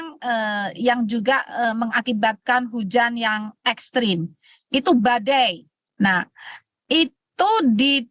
angin yang kencang yang juga mengakibatkan hujan yang ekstrim itu badai nah itu adalah hal yang